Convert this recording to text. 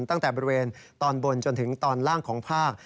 ตั้งแต่บริเวณตอนบนจนถึงตอนล่างของภาค